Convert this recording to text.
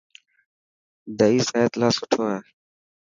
دئي صحت لاءِ سٺو آهي.